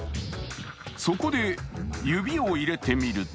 そこで指を入れてみると